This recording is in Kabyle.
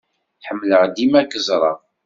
Ḥemmleɣ dima ad k-ẓreɣ.